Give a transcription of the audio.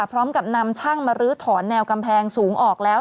พร้อมกับนำช่างมาลื้อถอนแนวกำแพงสูงออกแล้ว